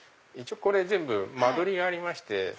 これ全部間取りありまして。